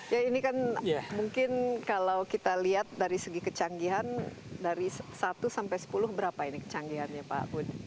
ya ini kan mungkin kalau kita lihat dari segi kecanggihan dari satu sampai sepuluh berapa ini kecanggihannya pak budi